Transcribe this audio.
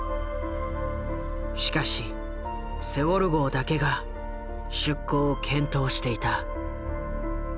しかしセウォル号だけが出航を検討していた。